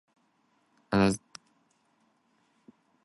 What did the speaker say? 用玄學預測金融風險愈來愈流行